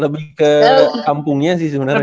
lebih ke kampungnya sih sebenarnya